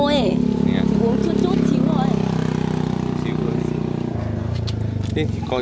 chị uống chút chút chíu rồi